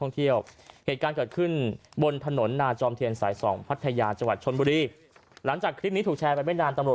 พอทุกทีแล้ว